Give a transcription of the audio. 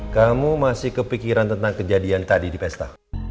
kamu masih kepikiran tentang kejadian tadi di pesta